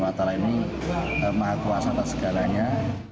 matalah ini maha kuasa dan segalanya